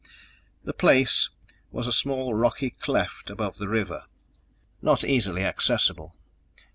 The Place was a small rocky cleft above the river, not easily accessible....